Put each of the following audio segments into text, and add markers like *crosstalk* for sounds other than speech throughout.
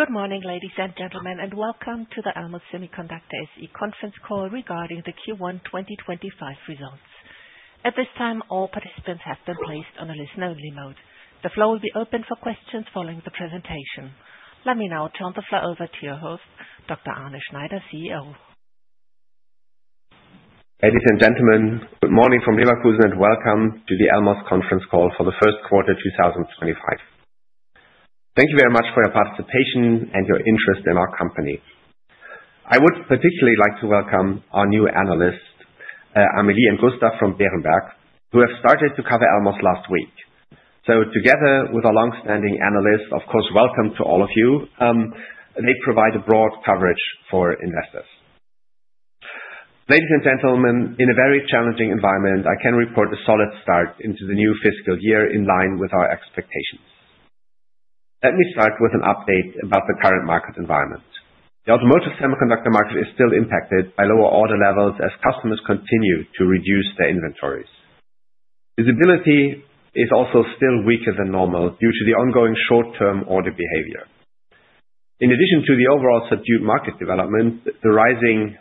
Good morning, ladies and gentlemen, and welcome to the Elmos Semiconductor SE conference call regarding the Q1 2025 results. At this time, all participants have been placed on a listen-only mode. The floor will be open for questions following the presentation. Let me now turn the floor over to your host, Dr. Arne Schneider, CEO. Ladies and gentlemen, good morning from Leverkusen, and welcome to the Elmos conference call for the first quarter 2025. Thank you very much for your participation and your interest in our company. I would particularly like to welcome our new analysts, Amelie and Gustav from Berenberg, who have started to cover Elmos last week. Together with our longstanding analysts, of course, welcome to all of you. They provide a broad coverage for investors. Ladies and gentlemen, in a very challenging environment, I can report a solid start into the new fiscal year in line with our expectations. Let me start with an update about the current market environment. The automotive semiconductor market is still impacted by lower order levels as customers continue to reduce their inventories. Visibility is also still weaker than normal due to the ongoing short-term order behavior. In addition to the overall subdued market development, the rising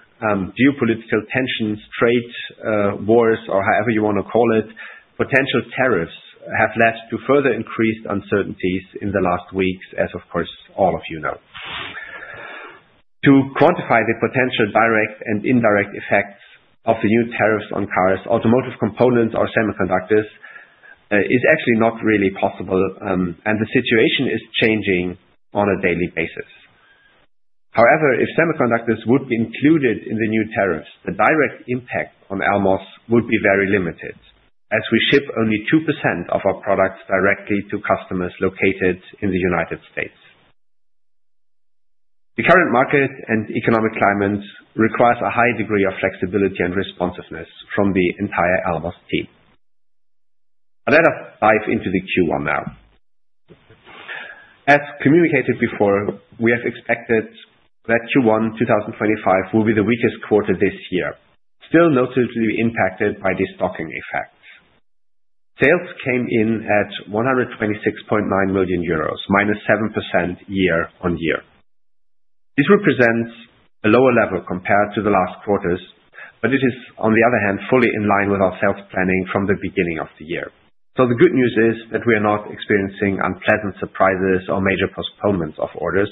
geopolitical tensions, trade wars, or however you want to call it, potential tariffs have led to further increased uncertainties in the last weeks, as of course all of you know. To quantify the potential direct and indirect effects of the new tariffs on cars, automotive components or semiconductors is actually not really possible, and the situation is changing on a daily basis. However, if semiconductors would be included in the new tariffs, the direct impact on Elmos would be very limited, as we ship only 2% of our products directly to customers located in the United States. The current market and economic climate requires a high degree of flexibility and responsiveness from the entire Elmos team. Let us dive into the Q1 now. As communicated before, we have expected that Q1 2025 will be the weakest quarter this year, still notably impacted by the stocking effects. Sales came in at 126.9 million euros, -7% year-on-year. This represents a lower level compared to the last quarters, but it is, on the other hand, fully in line with our sales planning from the beginning of the year. The good news is that we are not experiencing unpleasant surprises or major postponements of orders,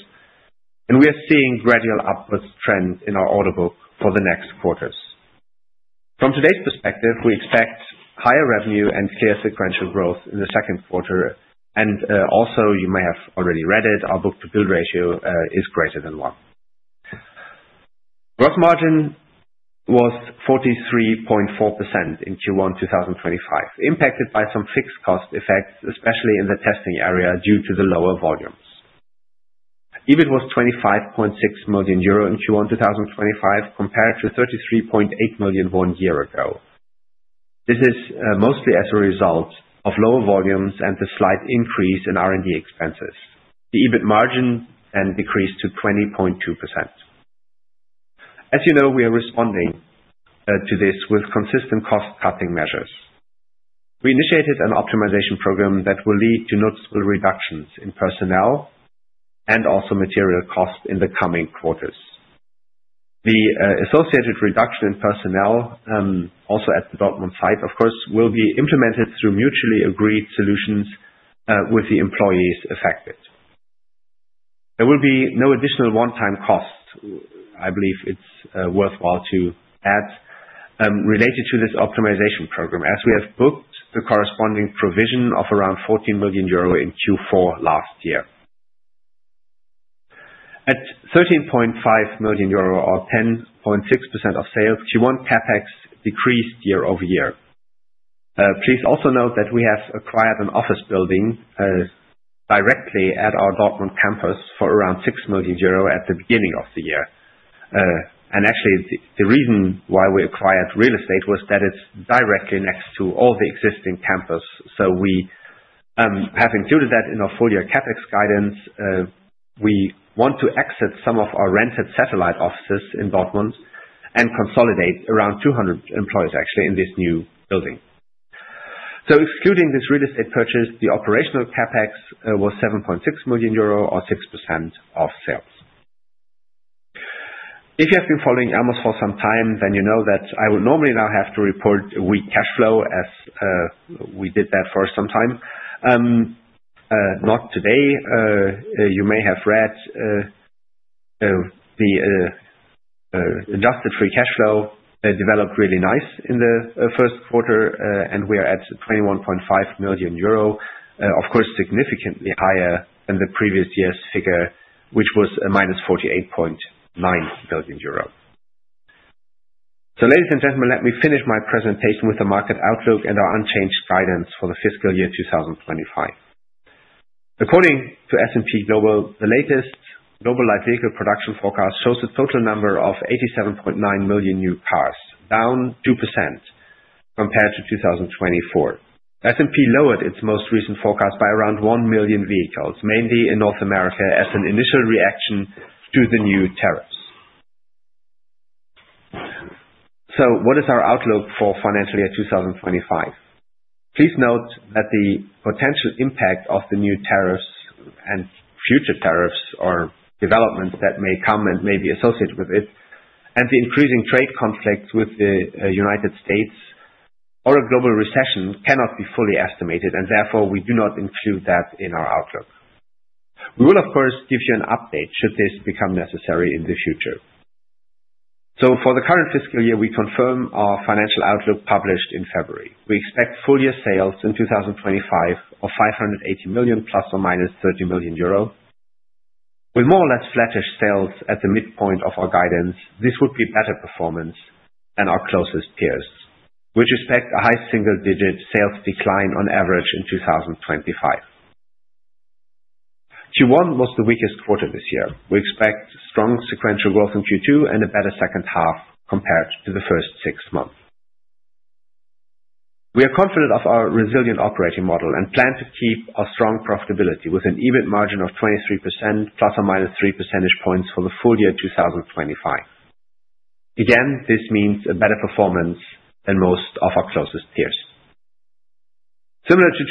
and we are seeing gradual upwards trends in our order book for the next quarters. From today's perspective, we expect higher revenue and clear sequential growth in the second quarter, and also, you may have already read it, our book-to-bill ratio is greater than one. Gross margin was 43.4% in Q1 2025, impacted by some fixed cost effects, especially in the testing area due to the lower volumes. EBIT was 25.6 million euro in Q1 2025 compared to 33.8 million one year ago. This is mostly as a result of lower volumes and the slight increase in R&D expenses. The EBIT margin then decreased to 20.2%. As you know, we are responding to this with consistent cost-cutting measures. We initiated an optimization program that will lead to noticeable reductions in personnel and also material costs in the coming quarters. The associated reduction in personnel, also at the Dortmund site, of course, will be implemented through mutually agreed solutions with the employees affected. There will be no additional one-time costs, I believe it's worthwhile to add, related to this optimization program, as we have booked the corresponding provision of around 14 million euro in Q4 last year. At 13.5 million euro, or 10.6% of sales, Q1 CapEx decreased year-over-year. Please also note that we have acquired an office building directly at our Dortmund campus for around 6 million euro at the beginning of the year. Actually, the reason why we acquired real estate was that it is directly next to all the existing campus, so we have included that in our full year CapEx guidance. We want to exit some of our rented satellite offices in Dortmund and consolidate around 200 employees, actually, in this new building. Excluding this real estate purchase, the operational CapEx was 7.6 million euro, or 6% of sales. If you have been following Elmos for some time, then you know that I will normally now have to report a weak cash flow, as we did that for some time. Not today. You may have read the adjusted free cash flow developed really nice in the first quarter, and we are at 21.5 million euro, of course, significantly higher than the previous year's figure, which was -48.9 million euro. Ladies and gentlemen, let me finish my presentation with the market outlook and our unchanged guidance for the fiscal year 2025. According to S&P Global, the latest global light vehicle production forecast shows a total number of 87.9 million new cars, down 2% compared to 2024. S&P lowered its most recent forecast by around 1 million vehicles, mainly in North America, as an initial reaction to the new tariffs. What is our outlook for financial year 2025? Please note that the potential impact of the new tariffs and future tariffs or developments that may come and may be associated with it, and the increasing trade conflicts with the United States. or a global recession cannot be fully estimated, and therefore we do not include that in our outlook. We will, of course, give you an update should this become necessary in the future. For the current fiscal year, we confirm our financial outlook published in February. We expect full year sales in 2025 of 580 million, plus or minus 30 million euro. With more or less flattish sales at the midpoint of our guidance, this would be better performance than our closest peers. We expect a high single-digit sales decline on average in 2025. Q1 was the weakest quarter this year. We expect strong sequential growth in Q2 and a better second half compared to the first six months. We are confident of our resilient operating model and plan to keep our strong profitability with an EBIT margin of 23%, plus or minus 3 percentage points for the full year 2025. Again, this means a better performance than most of our closest peers. Similar to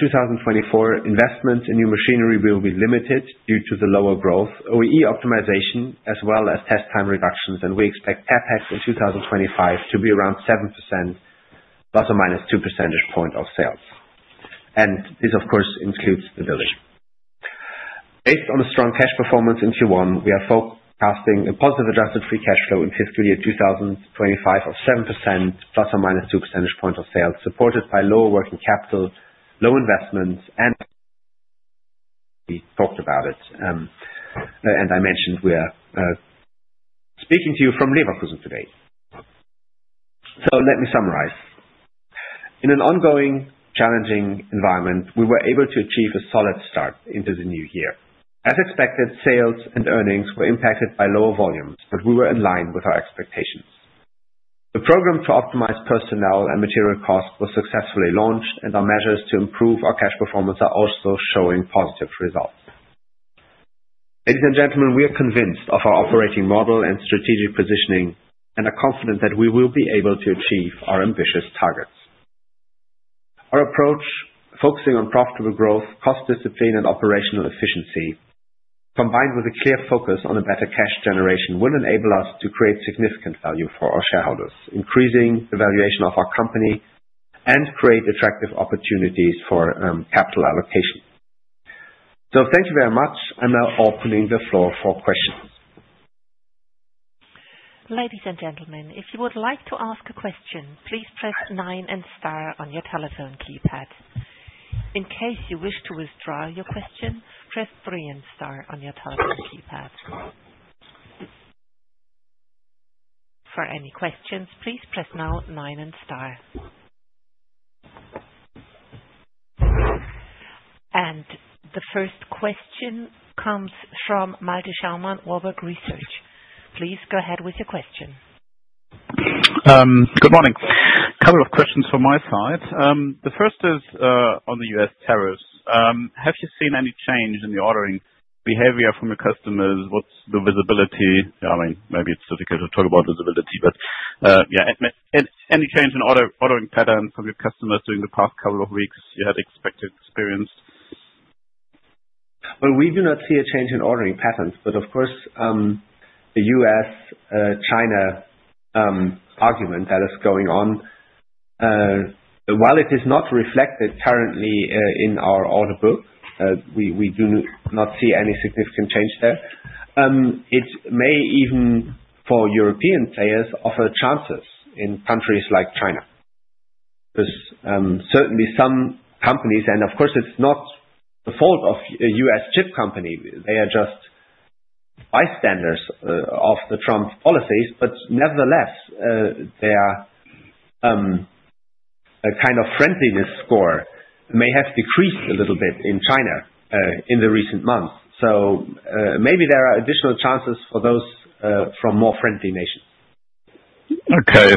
2024, investments in new machinery will be limited due to the lower growth, OEE optimization, as well as test time reductions, and we expect CapEx in 2025 to be around 7%, plus or minus 2 percentage points of sales. This, of course, includes the building. Based on the strong cash performance in Q1, we are forecasting a positive adjusted free cash flow in fiscal year 2025 of 7%, plus or minus 2 percentage points of sales, supported by lower working capital, low investments, and we talked about it, and I mentioned we are speaking to you from Leverkusen today. Let me summarize. In an ongoing challenging environment, we were able to achieve a solid start into the new year. As expected, sales and earnings were impacted by lower volumes, but we were in line with our expectations. The program to optimize personnel and material costs was successfully launched, and our measures to improve our cash performance are also showing positive results. Ladies and gentlemen, we are convinced of our operating model and strategic positioning, and are confident that we will be able to achieve our ambitious targets. Our approach, focusing on profitable growth, cost discipline, and operational efficiency, combined with a clear focus on a better cash generation, will enable us to create significant value for our shareholders, increasing the valuation of our company, and create attractive opportunities for capital allocation. Thank you very much. I am now opening the floor for questions. Ladies and gentlemen, if you would like to ask a question, please press nine and star on your telephone keypad. In case you wish to withdraw your question, press three and star on your telephone keypad. For any questions, please press now nine and star. The first question comes from Malte Schaumann, Warburg Research. Please go ahead with your question. Good morning. Couple of questions from my side. The first is on the US tariffs. Have you seen any change in the ordering behavior from your customers? What's the visibility? I mean, maybe it's difficult to talk about visibility, but yeah, any change in ordering patterns from your customers during the past couple of weeks you had expected experienced? We do not see a change in ordering patterns, but of course, the U.S.-China argument that is going on, while it is not reflected currently in our order book, we do not see any significant change there. It may even, for European players, offer chances in countries like China. There are certainly some companies, and of course, it is not the fault of a U.S. chip company. They are just bystanders of the Trump policies, but nevertheless, their kind of friendliness score may have decreased a little bit in China in the recent months. Maybe there are additional chances for those from more friendly nations. Okay.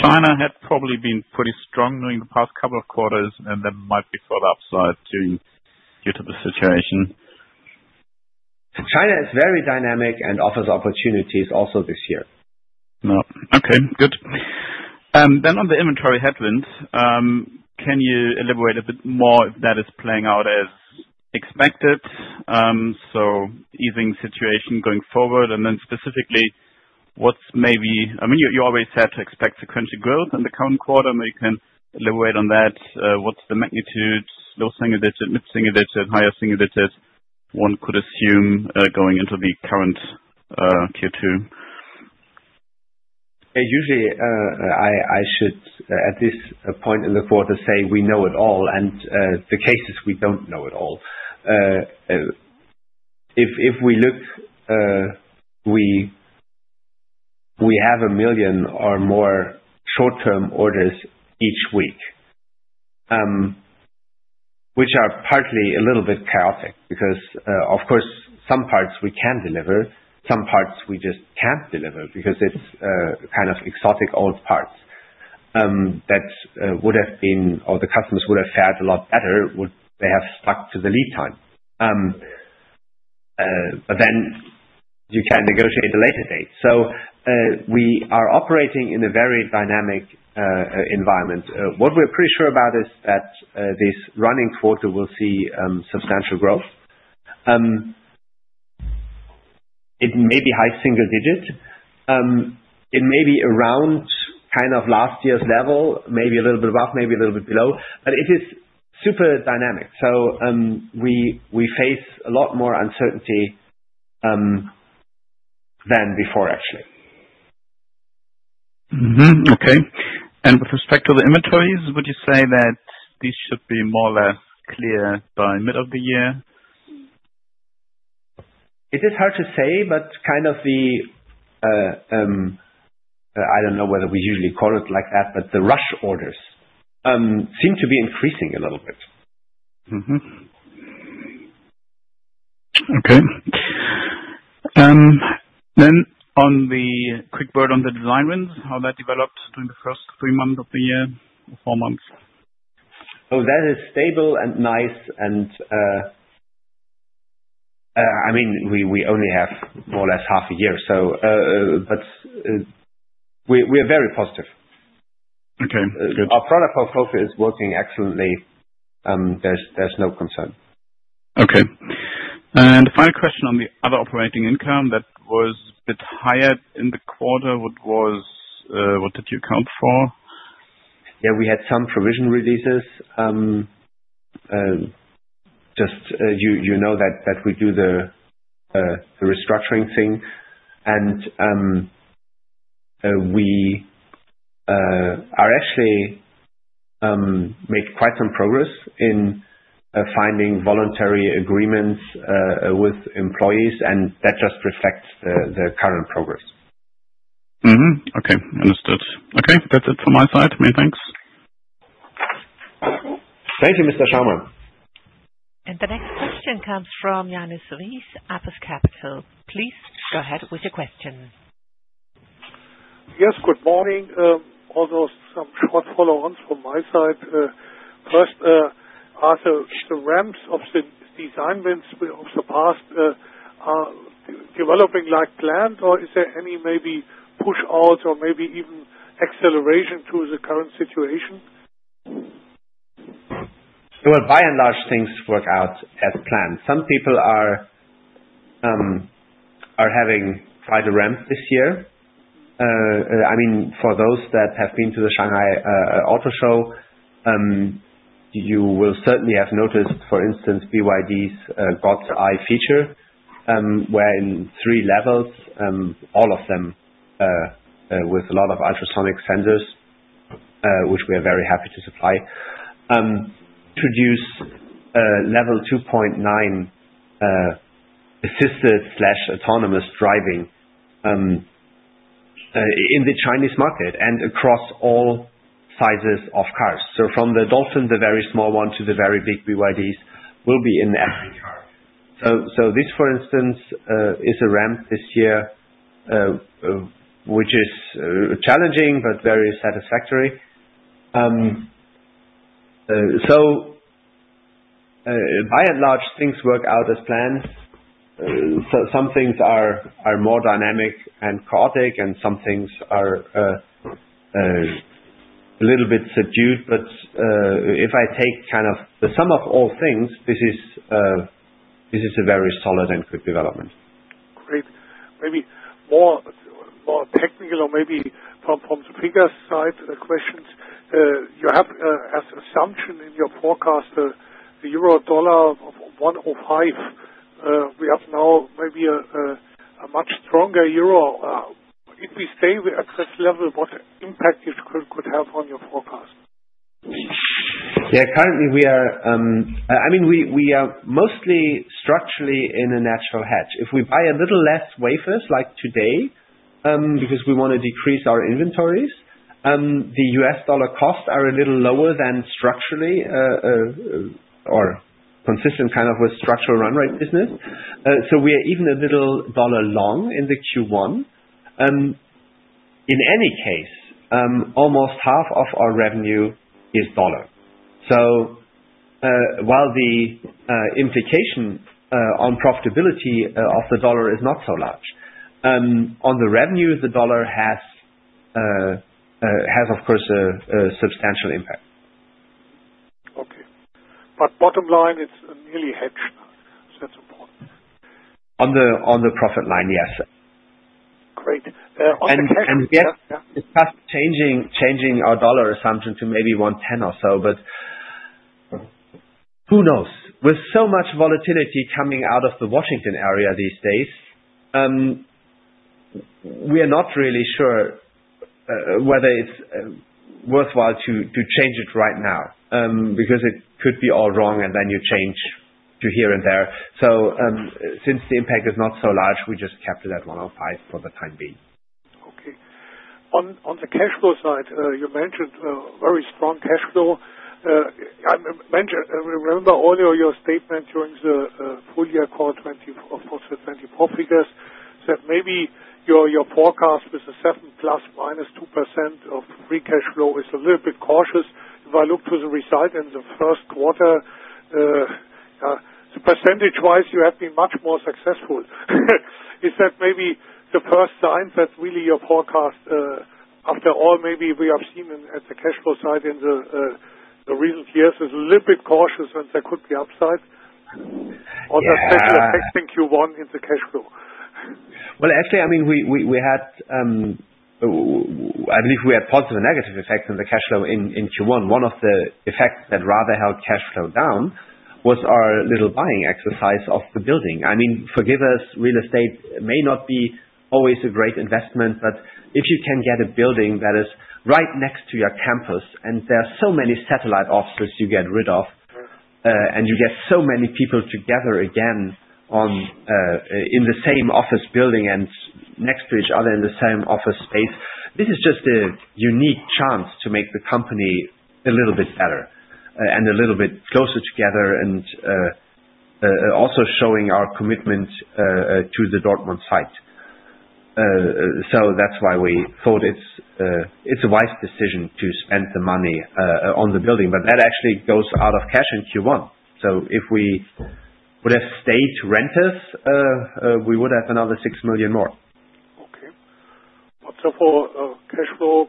China had probably been pretty strong during the past couple of quarters, and then might be further upside due to the situation. China is very dynamic and offers opportunities also this year. Okay. Good. On the inventory headwinds, can you elaborate a bit more if that is playing out as expected? Easing situation going forward, and then specifically, what's maybe, I mean, you always had to expect sequential growth in the current quarter. Maybe you can elaborate on that. What's the magnitude? Low-single digit, mid-single digit, higher -single digit one could assume going into the current Q2? Usually, I should, at this point in the quarter, say we know it all, and the case is we don't know it all. If we look, we have a million or more short-term orders each week, which are partly a little bit chaotic because, of course, some parts we can deliver, some parts we just can't deliver because it's kind of exotic old parts that would have been, or the customers would have fared a lot better would they have stuck to the lead time. You can negotiate a later date. We are operating in a very dynamic environment. What we're pretty sure about is that this running quarter will see substantial growth. It may be high-single digit. It may be around kind of last year's level, maybe a little bit above, maybe a little bit below, but it is super dynamic. We face a lot more uncertainty than before, actually. Okay. With respect to the inventories, would you say that these should be more or less clear by mid of the year? It is hard to say, but kind of the—I do not know whether we usually call it like that—but the rush orders seem to be increasing a little bit. Okay. Then a quick word on the design wins, how that developed during the first three months of the year or four months? Oh, that is stable and nice. I mean, we only have more or less half a year, but we are very positive. Our product portfolio is working excellently. There's no concern. Okay. The final question on the other operating income that was a bit higher in the quarter, what did you account for? Yeah, we had some provision releases. Just you know that we do the restructuring thing, and we are actually making quite some progress in finding voluntary agreements with employees, and that just reflects the current progress. Okay. Understood. Okay. That's it from my side. Many thanks. Thank you, Mr. Schaumann. The next question comes from Johannes Ries, Apus Capital. Please go ahead with your question. Yes. Good morning. Also some short follow-ons from my side. First, Arne, the ramps of the design wins of the past are developing like planned, or is there any maybe push-out or maybe even acceleration to the current situation? By and large, things work out as planned. Some people are having quite a ramp this year. I mean, for those that have been to the Shanghai Auto Show, you will certainly have noticed, for instance, BYD's God's Eye feature, where in three levels, all of them with a lot of ultrasonic sensors, which we are very happy to supply. Introduce Level 2.9 assisted/autonomous driving in the Chinese market and across all sizes of cars. From the Dolphin, the very small one, to the very big BYDs, will be in every car. This, for instance, is a ramp this year, which is challenging but very satisfactory. By and large, things work out as planned. Some things are more dynamic and chaotic, and some things are a little bit subdued. If I take kind of the sum of all things, this is a very solid and good development. Great. Maybe more technical or maybe from the bigger side of the questions, you have an assumption in your forecast, the EUR/USD of 1.05. We have now maybe a much stronger euro. If we stay at this level, what impact could it have on your forecast? Yeah. Currently, we are—I mean, we are mostly structurally in a natural hedge. If we buy a little less wafers like today because we want to decrease our inventories, the U.S. dollar costs are a little lower than structurally or consistent kind of with structural run rate business. We are even a little dollar long in Q1. In any case, almost half of our revenue is dollar. While the implication on profitability of the dollar is not so large, on the revenue, the dollar has, of course, a substantial impact. Okay. But bottom line, it's nearly hedged. That's important. On the profit line, yes. Great. And *crosstalk* Yes, it's changing our dollar assumption to maybe 1.10 or so, but who knows? With so much volatility coming out of the Washington area these days, we are not really sure whether it's worthwhile to change it right now because it could be all wrong, and then you change to here and there. Since the impact is not so large, we just kept it at 1.05 for the time being. Okay. On the cash flow side, you mentioned a very strong cash flow. I remember earlier your statement during the full year quarter 2024 figures said maybe your forecast with the 7% plus minus 2% of free cash flow is a little bit cautious. If I look to the result in the first quarter, percentage-wise, you have been much more successful. Is that maybe the first sign that really your forecast, after all, maybe we have seen at the cash flow side in the recent years, is a little bit cautious and there could be upside? Or does that affect Q1 in the cash flow? Actually, I mean, we had—I believe we had positive and negative effects on the cash flow in Q1. One of the effects that rather held cash flow down was our little buying exercise of the building. I mean, forgive us, real estate may not be always a great investment, but if you can get a building that is right next to your campus and there are so many satellite offices you get rid of and you get so many people together again in the same office building and next to each other in the same office space, this is just a unique chance to make the company a little bit better and a little bit closer together and also showing our commitment to the Dortmund site. That's why we thought it's a wise decision to spend the money on the building, but that actually goes out of cash in Q1. If we would have stayed to rent, we would have another 6 million more. Okay. So for cash flow,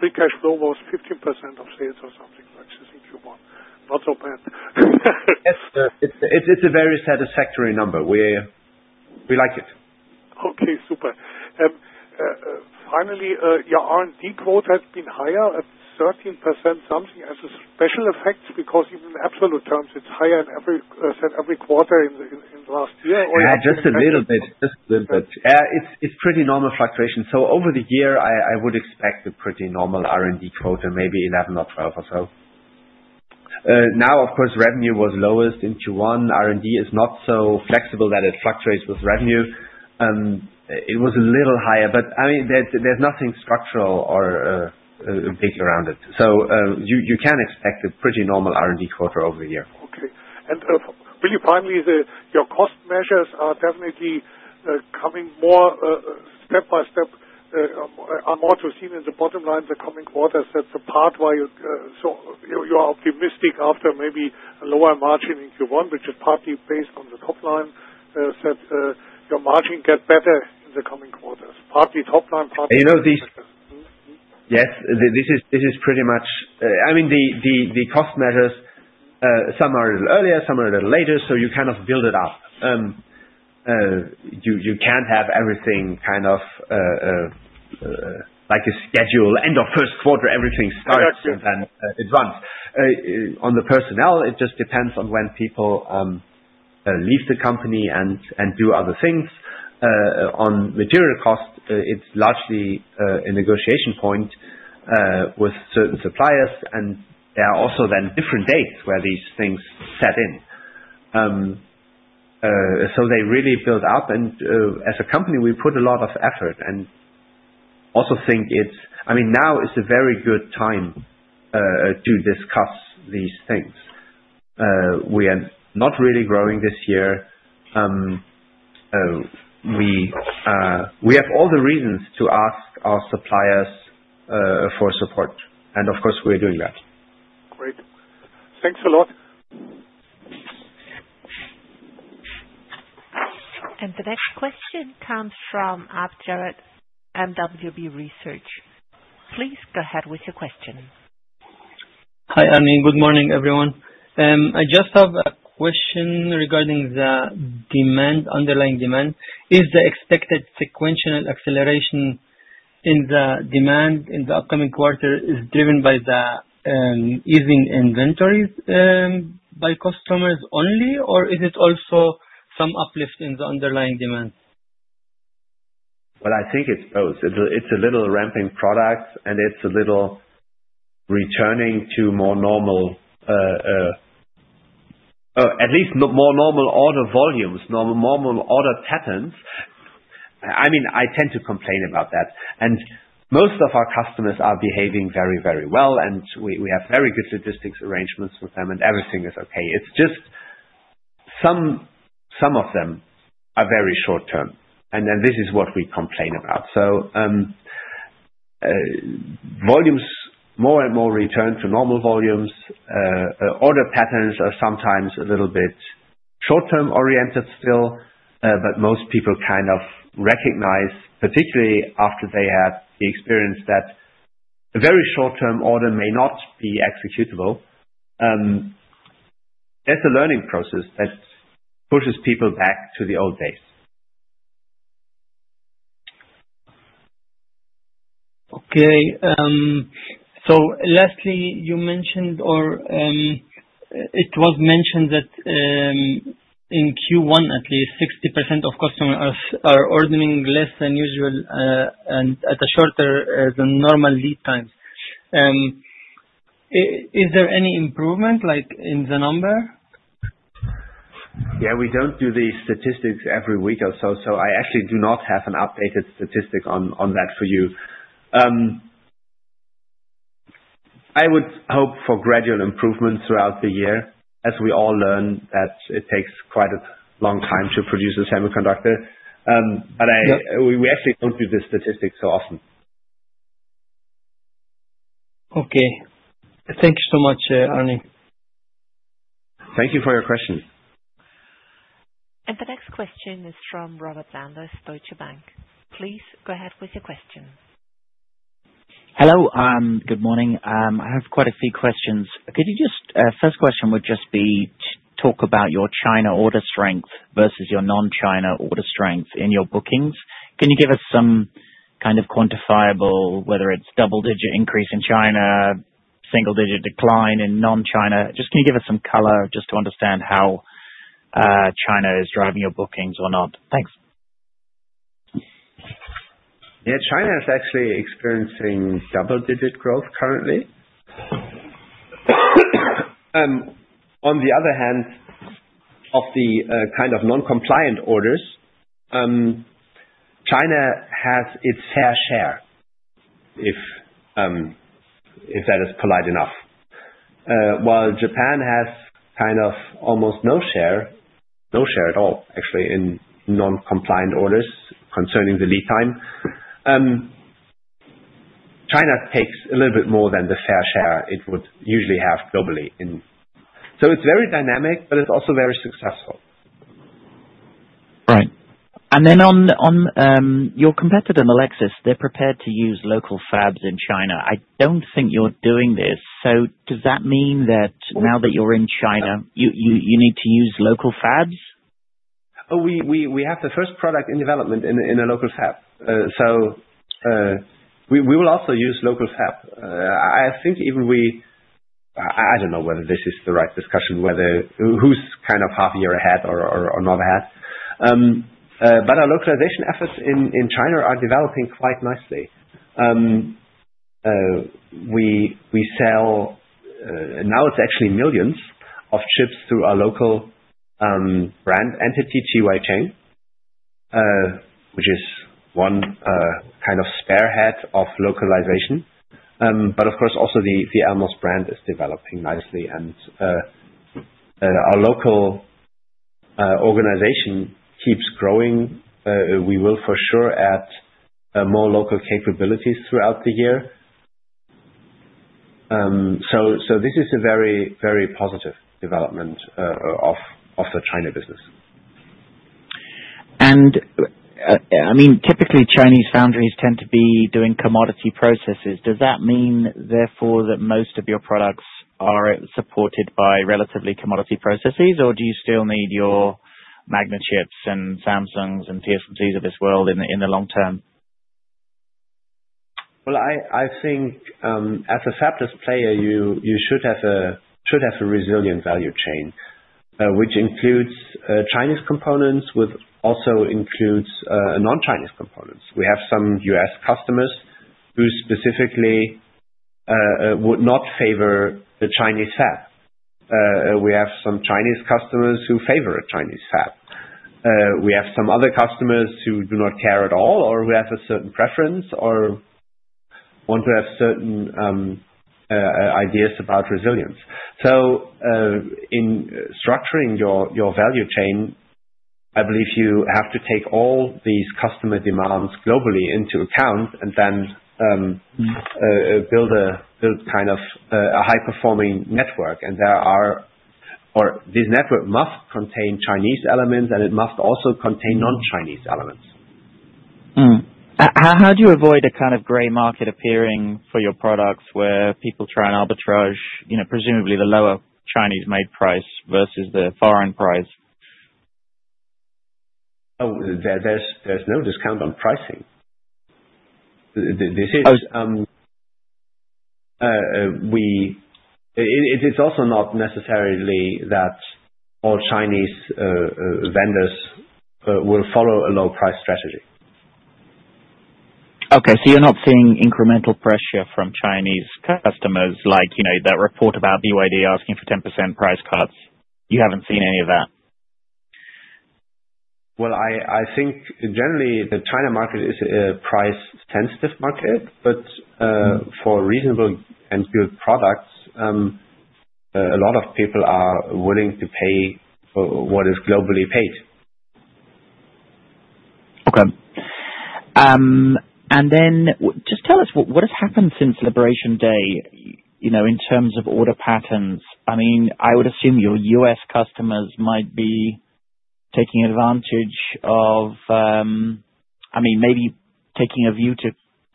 free cash flow was 15% of sales or something like this in Q1. Not so bad. Yes. It's a very satisfactory number. We like it. Okay. Super. Finally, your R&D quota has been higher at 13% something as a special effect because in absolute terms, it's higher than every quarter in the last year or even? Yeah, just a little bit. Just a little bit. Yeah, it's pretty normal fluctuation. Over the year, I would expect a pretty normal R&D quota, maybe 11% or 12% or so. Now, of course, revenue was lowest in Q1. R&D is not so flexible that it fluctuates with revenue. It was a little higher, but I mean, there's nothing structural or big around it. You can expect a pretty normal R&D quota over the year. Okay. Will you find your cost measures are definitely coming more step- by-step? Are more to see in the bottom line the coming quarters? That is the part where you are optimistic after maybe a lower margin in Q1, which is partly based on the top line, that your margin gets better in the coming quarters. Partly top line, partly bottom line. Yes. This is pretty much—I mean, the cost measures, some are a little earlier, some are a little later, so you kind of build it up. You can't have everything kind of like a schedule. End of first quarter, everything starts and then it runs. On the personnel, it just depends on when people leave the company and do other things. On material cost, it's largely a negotiation point with certain suppliers, and there are also then different dates where these things set in. They really build up, and as a company, we put a lot of effort and also think it's—I mean, now is a very good time to discuss these things. We are not really growing this year. We have all the reasons to ask our suppliers for support, and of course, we're doing that. Great. Thanks a lot. The next question comes from Abed Jarad, mwb research. Please go ahead with your question. Hi, Arne. Good morning, everyone. I just have a question regarding the underlying demand. Is the expected sequential acceleration in the demand in the upcoming quarter driven by the easing inventories by customers only, or is it also some uplift in the underlying demand? I think it's both. It's a little ramping product, and it's a little returning to more normal, at least more normal order volumes, normal order patterns. I mean, I tend to complain about that. Most of our customers are behaving very, very well, and we have very good logistics arrangements with them, and everything is okay. It's just some of them are very short-term, and this is what we complain about. Volumes more and more return to normal volumes. Order patterns are sometimes a little bit short-term oriented still, but most people kind of recognize, particularly after they have the experience that a very short-term order may not be executable. There's a learning process that pushes people back to the old days. Okay. Lastly, you mentioned or it was mentioned that in Q1, at least 60% of customers are ordering less than usual and at shorter than normal lead times. Is there any improvement in the number? Yeah. We do not do these statistics every week or so, so I actually do not have an updated statistic on that for you. I would hope for gradual improvement throughout the year as we all learn that it takes quite a long time to produce a semiconductor, but we actually do not do this statistic so often. Okay. Thank you so much, Arne. Thank you for your question. The next question is from Robert Sanders, Deutsche Bank. Please go ahead with your question. Hello. Good morning. I have quite a few questions. First question would just be to talk about your China order strength versus your non-China order strength in your bookings. Can you give us some kind of quantifiable, whether it's double-digit increase in China, single-digit decline in non-China? Just can you give us some color just to understand how China is driving your bookings or not? Thanks. Yeah. China is actually experiencing double-digit growth currently. On the other hand, of the kind of non-compliant orders, China has its fair share, if that is polite enough, while Japan has kind of almost no share, no share at all, actually, in non-compliant orders concerning the lead time. China takes a little bit more than the fair share it would usually have globally. It is very dynamic, but it is also very successful. Right. And then on your competitor, Melexis, they're prepared to use local fabs in China. I don't think you're doing this. So does that mean that now that you're in China, you need to use local fabs? We have the first product in development in a local fab. We will also use local fab. I think even we—I do not know whether this is the right discussion, whether who is kind of half a year ahead or not ahead. Our localization efforts in China are developing quite nicely. We sell—now it is actually millions of chips through our local brand entity, JiWeiCheng, which is one kind of spearhead of localization. Of course, also the Elmos brand is developing nicely, and our local organization keeps growing. We will for sure add more local capabilities throughout the year. This is a very, very positive development of the China business. I mean, typically, Chinese foundries tend to be doing commodity processes. Does that mean, therefore, that most of your products are supported by relatively commodity processes, or do you still need your Magna Chips and Samsungs and TSMCs of this world in the long term? I think as a fabless player, you should have a resilient value chain, which includes Chinese components, which also includes non-Chinese components. We have some US customers who specifically would not favor the Chinese fab. We have some Chinese customers who favor a Chinese fab. We have some other customers who do not care at all or who have a certain preference or want to have certain ideas about resilience. In structuring your value chain, I believe you have to take all these customer demands globally into account and then build kind of a high-performing network. This network must contain Chinese elements, and it must also contain non-Chinese elements. How do you avoid a kind of gray market appearing for your products where people try and arbitrage, presumably the lower Chinese-made price versus the foreign price? Oh, there's no discount on pricing. It's also not necessarily that all Chinese vendors will follow a low-price strategy. Okay. So you're not seeing incremental pressure from Chinese customers like that report about BYD asking for 10% price cuts? You haven't seen any of that? I think generally the China market is a price-sensitive market, but for reasonable end-build products, a lot of people are willing to pay what is globally paid. Okay. Just tell us what has happened since Liberation Day in terms of order patterns. I mean, I would assume your U.S. customers might be taking advantage of—I mean, maybe taking a view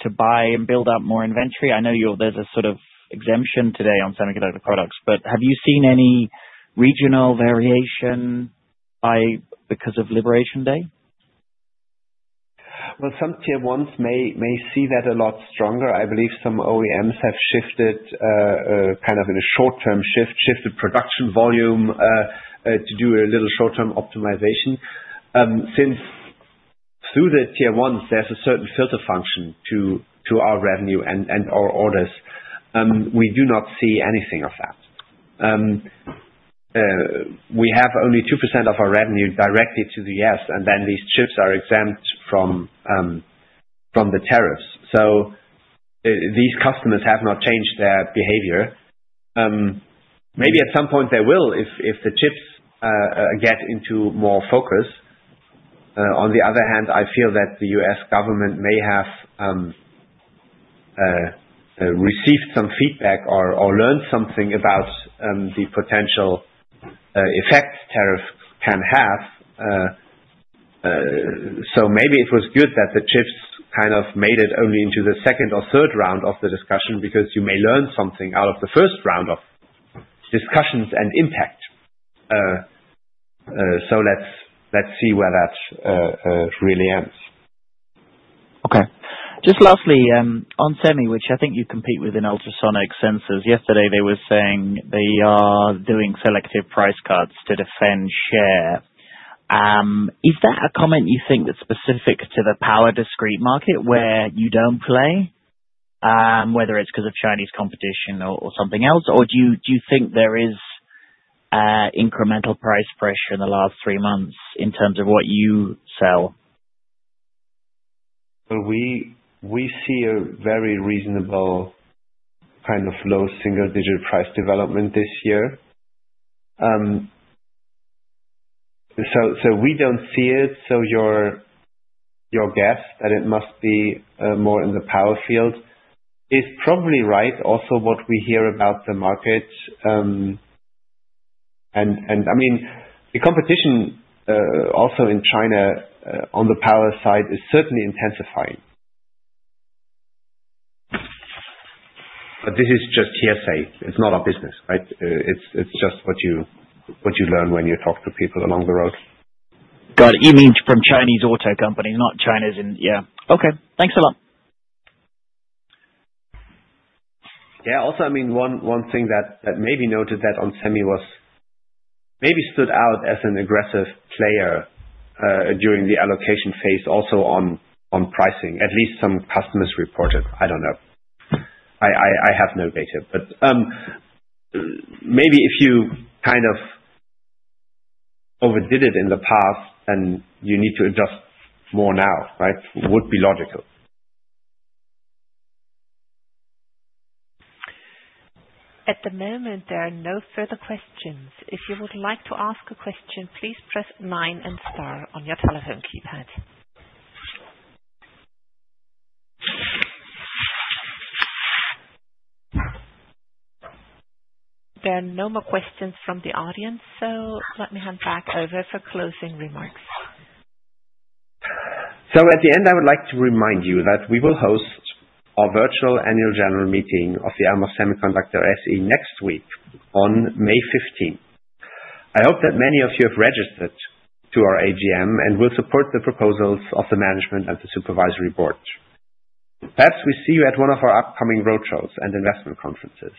to buy and build up more inventory. I know there is a sort of exemption today on semiconductor products, but have you seen any regional variation because of Liberation Day? Some Tier 1s may see that a lot stronger. I believe some OEMs have shifted, kind of in a short-term shift, shifted production volume to do a little short-term optimization. Since through the tier ones, there is a certain filter function to our revenue and our orders. We do not see anything of that. We have only 2% of our revenue directly to the U.S., and then these chips are exempt from the tariffs. These customers have not changed their behavior. Maybe at some point they will if the chips get into more focus. On the other hand, I feel that the U.S. government may have received some feedback or learned something about the potential effect tariffs can have. Maybe it was good that the chips kind of made it only into the second or third round of the discussion because you may learn something out of the first round of discussions and impact. Let's see where that really ends. Okay. Just lastly, onsemi, which I think you compete with in ultrasonic sensors, yesterday they were saying they are doing selective price cuts to defend share. Is that a comment you think that's specific to the power discrete market where you do not play, whether it is because of Chinese competition or something else, or do you think there is incremental price pressure in the last three months in terms of what you sell? We see a very reasonable kind of low single-digit price development this year. We do not see it. Your guess that it must be more in the power field is probably right. Also, what we hear about the markets, and I mean, the competition also in China on the power side is certainly intensifying. This is just hearsay. It is not our business, right? It is just what you learn when you talk to people along the road. Got it. You mean from Chinese auto companies, not China's in—yeah. Okay. Thanks a lot. Yeah. Also, I mean, one thing that maybe noted that onsemi was maybe stood out as an aggressive player during the allocation phase also on pricing. At least some customers reported. I don't know. I have no data, but maybe if you kind of overdid it in the past, then you need to adjust more now, right? Would be logical. At the moment, there are no further questions. If you would like to ask a question, please press nine and star on your telephone keypad. There are no more questions from the audience, so let me hand back over for closing remarks. At the end, I would like to remind you that we will host our virtual annual general meeting of Elmos Semiconductor SE next week on May 15th. I hope that many of you have registered to our AGM and will support the proposals of the management and the supervisory board. Perhaps we see you at one of our upcoming roadshows and investment conferences.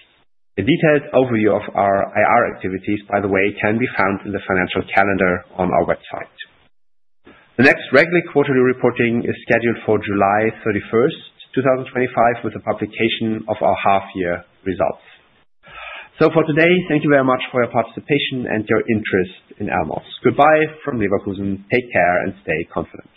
A detailed overview of our IR activities, by the way, can be found in the financial calendar on our website. The next regular quarterly reporting is scheduled for July 31st, 2025, with the publication of our half-year results. For today, thank you very much for your participation and your interest in Elmos. Goodbye from Leverkusen. Take care and stay confident.